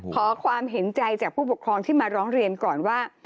ขอความเห็นใจจากผู้ปกครองที่มาร้องเรียนก่อนว่า